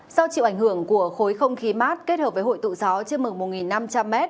sau chịu ảnh hưởng của khối không khí mát kết hợp với hội tụ gió trên mực một năm trăm linh m